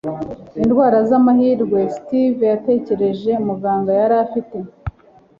indwara z'amahirwe, steve yatekereje. muganga yari afite